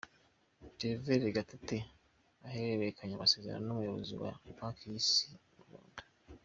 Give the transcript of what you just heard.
Claver Gatete ahererekanya amasezerano n’umuyobozi wa Banki y’isi mu Rwanda.